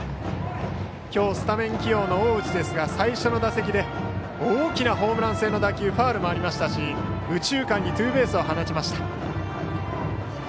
きょうスタメン起用の大内ですが最初の打席で大きなホームラン性の打球ファウルもありましたし右中間にツーベースを放ちました。